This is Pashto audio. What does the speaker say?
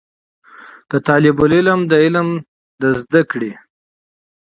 که طالب العلم د علم د زده کړې